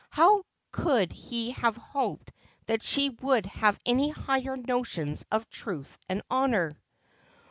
How could he have hoped that she would have any higher notions of truth and honour